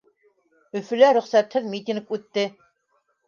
Өфөлә рөхсәтһеҙ митинг үтте.